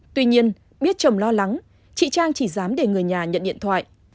tuy nhiên biết chồng lo lắng chị trang chỉ dám để người nhà nhận điện thoại